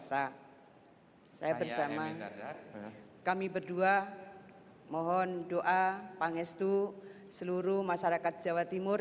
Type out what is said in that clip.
saya bersama kami berdua mohon doa pangestu seluruh masyarakat jawa timur